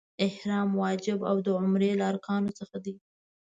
احرام واجب او د عمرې له ارکانو څخه دی.